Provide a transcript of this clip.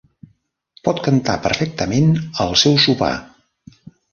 Pot cantar perfectament al seu sopar!